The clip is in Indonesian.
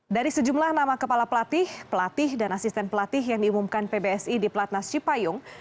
dari sejumlah nama kepala pelatih pelatih dan asisten pelatih yang diumumkan pbsi di platnas cipayung